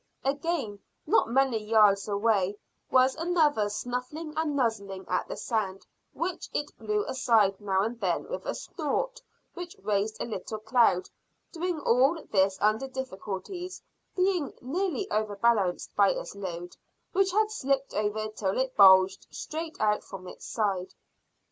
Again, not many yards away was another snuffling and nuzzling at the sand, which it blew aside now and then with a snort which raised a little cloud doing all this under difficulties, being nearly overbalanced by its load, which had slipped over till it bulged straight out from its side.